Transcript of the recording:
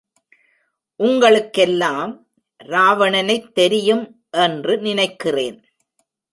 உங்களுக்கெல்லாம் ராவணனைத் தெரியும் என்று நினைக்கிறேன்.